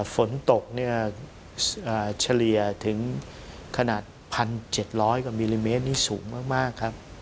ฝนตกเฉลี่ยถึงขนาด๑๗๐๐กว่ามิลลิเมตรนี่สูงมาก